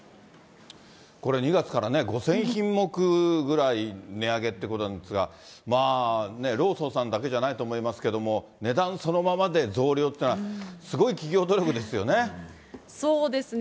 これ、２月から５０００品目ぐらい値上げっていうことなんですが、ローソンさんだけじゃないと思いますけれども、値段そのままで増量っていうのは、すごい企業努力ですよね。